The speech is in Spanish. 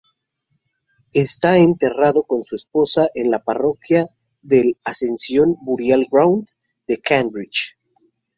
Está enterrado con su esposa en la Parroquia del "Ascension Burial Ground" de Cambridge.